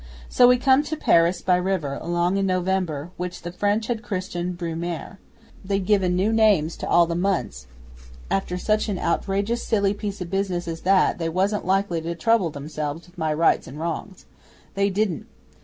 So we come to Paris, by river, along in November, which the French had christened Brumaire. They'd given new names to all the months, and after such an outrageous silly piece o' business as that, they wasn't likely to trouble 'emselves with my rights and wrongs. They didn't.